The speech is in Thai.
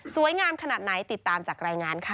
งามขนาดไหนติดตามจากรายงานค่ะ